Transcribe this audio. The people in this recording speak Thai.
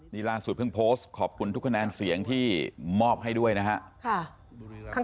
นี่ล่าสุดเพิ่งโพสต์ขอบคุณทุกคะแนนเสียงที่มอบให้ด้วยนะครับ